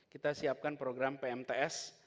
kita siapkan program pmts